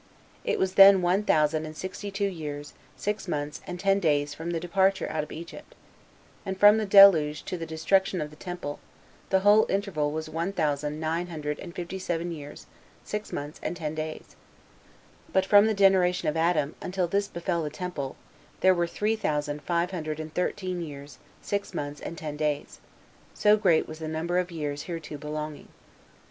It was then one thousand and sixty two years, six months, and ten days from the departure out of Egypt; and from the deluge to the destruction of the temple, the whole interval was one thousand nine hundred and fifty seven years, six months, and ten days; but from the generation of Adam, until this befell the temple, there were three thousand five hundred and thirteen years, six months, and ten days; so great was the number of years hereto belonging.